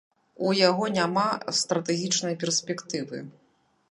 У яго няма стратэгічнай перспектывы.